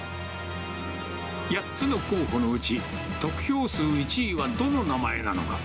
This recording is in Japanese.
８つの候補のうち、得票数１位はどの名前なのか？